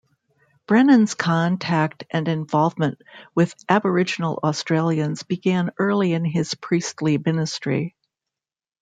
Brennan's contact and involvement with Aboriginal Australians began early in his priestly ministry.